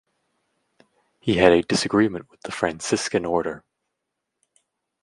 He had a disagreement with the Franciscan order.